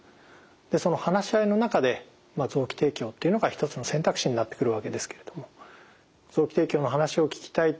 その話し合いの中で臓器提供っていうのが一つの選択肢になってくるわけですけれども臓器提供の話を聞きたい